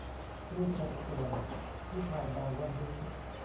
รูปบางส่วนที่ถ่ายบ่ายวันนี้